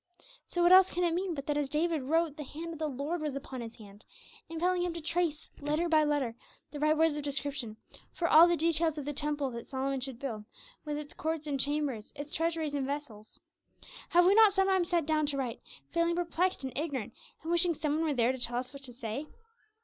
So what else can it mean but that as David wrote, the hand of the Lord was upon his hand, impelling him to trace, letter by letter, the right words of description for all the details of the temple that Solomon should build, with its courts and chambers, its treasuries and vessels? Have we not sometimes sat down to write, feeling perplexed and ignorant, and wishing some one were there to tell us what to say?